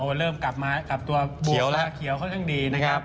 โอ้เริ่มกลับมากลับตัวบวกมาเขียวค่อนข้างดีนะครับ